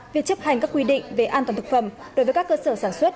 việc chấp hành các quy định về an toàn thực phẩm đối với các cơ sở sản xuất